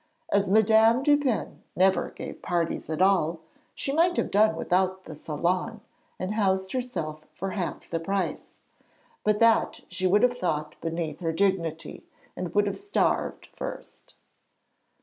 As Madame Dupin never gave parties at all, she might have done without the salon and housed herself for half the price, but that she would have thought beneath her dignity, and would have starved first.